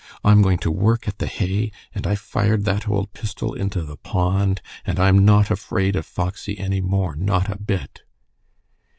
I'm going to work at the hay, and I fired that old pistol into the pond, and I'm not afraid of Foxy any more, not a bit."